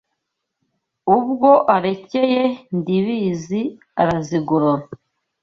Ubwo arekeye Ndibizi arazigorora